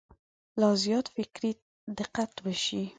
لا زیات فکري دقت وشي.